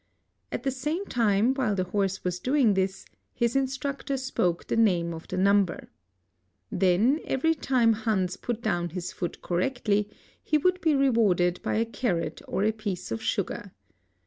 At the same time, while the horse was doing this, his instructor spoke the name of the_/num ber. Then every time Han's put down his fpot correctly he would be rewarded by a carrot or a piece of sugar.'